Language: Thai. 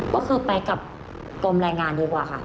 ก็คือไปกับกรมแรงงานดีกว่าค่ะ